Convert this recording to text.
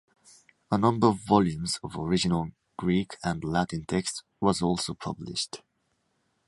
A number of volumes of original Greek and Latin texts was also published.